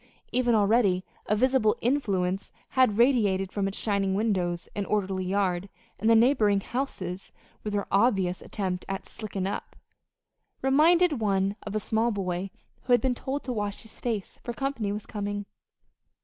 Even already a visible influence had radiated from its shining windows and orderly yard; and the neighboring houses, with their obvious attempt at "slickin' up," reminded one of a small boy who has been told to wash his face, for company was coming.